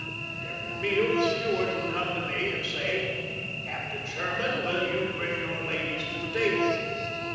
At every meal the steward would come to me, and say, "Captain Sherman, will you bring your ladies to the table?"